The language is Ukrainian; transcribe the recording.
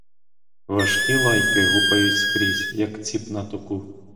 Важкі лайки гупають скрізь, як ціп на току.